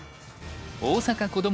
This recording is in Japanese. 大阪こども